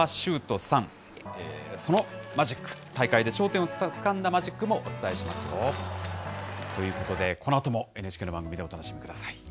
ゆう５時でも紹介した緒川集人さん、そのマジック、大会で頂点をつかんだマジックのお伝えします。ということで、このあともＮＨＫの番組でお楽しみください。